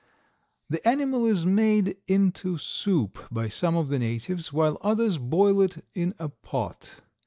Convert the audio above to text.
The animal is made into soup by some of the natives while others boil it in a pot.